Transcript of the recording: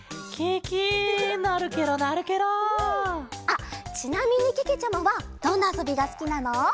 あっちなみにけけちゃまはどんなあそびがすきなの？